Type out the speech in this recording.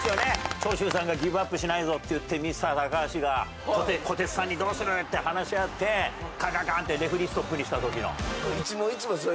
長州さんが「ギブアップしないぞ」って言ってミスター高橋が小鉄さんにどうする？って話し合ってカンカンカーン！ってレフェリーストップにした時の。